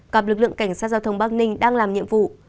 gặp lực lượng cảnh sát giao thông bắc ninh đang làm nhiệm vụ